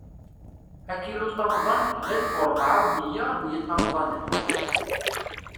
Akiluṭamḍan, d alef u rebɛa u miyya n yiṭamḍanen.